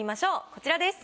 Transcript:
こちらです。